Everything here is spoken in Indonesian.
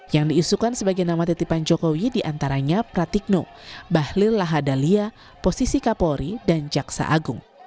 yang diisukan sebagai nama titipan jokowi diantaranya pratikno bahlil lahadalia posisi kapolri dan jaksa agung